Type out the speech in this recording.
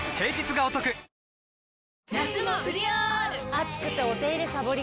暑くてお手入れさぼりがち。